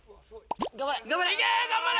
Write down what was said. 頑張れ！